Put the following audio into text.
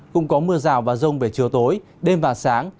cũng có mưa rào và rông về chiều tối đêm và sáng